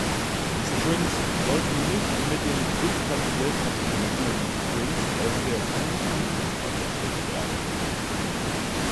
Die Strings sollten nicht mit den substanziell verschiedenen Strings aus der Stringtheorie verwechselt werden.